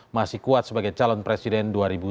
masih kuat sebagai calon presiden dua ribu sembilan belas